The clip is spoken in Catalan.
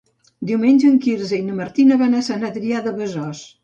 Diumenge en Quirze i na Martina van a Sant Adrià de Besòs.